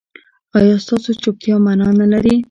ایا ستاسو چوپتیا معنی نلري؟